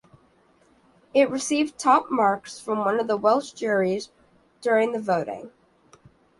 It received top marks from one of the Welsh juries during the voting.